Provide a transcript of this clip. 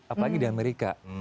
apalagi di amerika